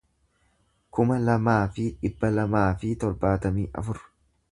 kuma lamaa fi dhibba lamaa fi torbaatamii afur